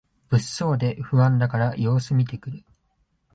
物騒で不安だから様子みてくる